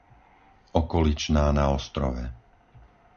Okoličná na Ostrove